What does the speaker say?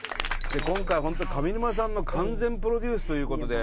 今回本当上沼さんの完全プロデュースという事で。